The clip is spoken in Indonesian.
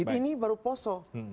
ini baru poso